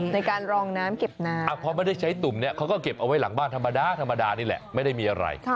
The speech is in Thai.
ในการรองน้ำเก็บน้ำพอไม่ได้ใช้ตุ่มเนี่ยเขาก็เก็บเอาไว้หลังบ้านธรรมดาธรรมดานี่แหละไม่ได้มีอะไร